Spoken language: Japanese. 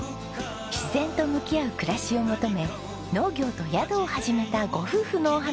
自然と向き合う暮らしを求め農業と宿を始めたご夫婦のお話。